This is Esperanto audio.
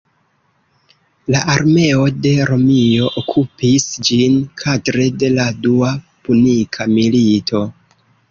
La armeo de Romio okupis ĝin kadre de la Dua Punika Milito.